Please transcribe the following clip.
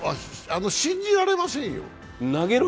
信じられませんよ。